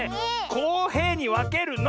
こうへいにわけるの！